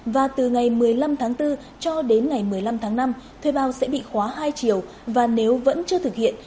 và từ ngày một mươi năm tháng bốn cho đến ngày một mươi năm tháng năm thuê bao sẽ bị khóa hai triệu và nếu vẫn chưa thực hiện